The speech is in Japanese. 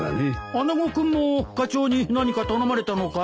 穴子君も課長に何か頼まれたのかい？